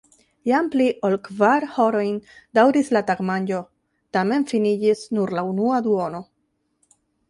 Jam pli ol kvar horojn daŭris la tagmanĝo, tamen finiĝis nur la unua duono.